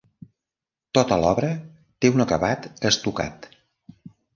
Tota l'obra té un acabat estucat.